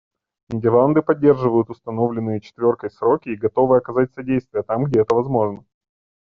Нидерланды поддерживают установленные «четверкой» сроки и готовы оказать содействие там, где это возможно.